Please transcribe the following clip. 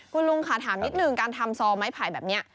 คุณลุงค่ะถามนิดนึงการทำซอไม้ไผ่แบบนี้